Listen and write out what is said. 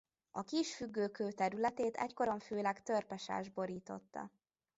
A Kis-függő-kő területét egykoron főleg törpe sás borította.